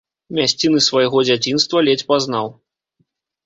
Мясціны свайго дзяцінства ледзь пазнаў.